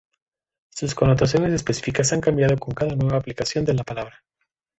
Sus connotaciones específicas han cambiado con cada nueva aplicación de la palabra.